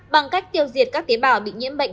bằng cách tiêu diệt các tế bào bị nhiễm bệnh